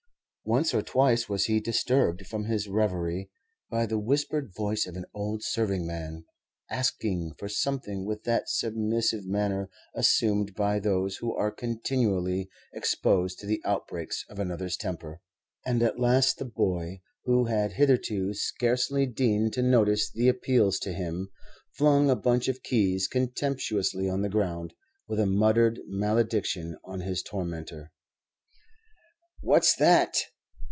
Once or twice was he disturbed from his revery by the whispered voice of an old serving man, asking for something with that submissive manner assumed by those who are continually exposed to the outbreaks of another's temper; and at last the boy, who had hitherto scarcely deigned to notice the appeals to him, flung a bunch of keys contemptuously on the ground, with a muttered malediction on his tormentor. "What's that?"